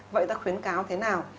vậy ta khuyến cáo thế nào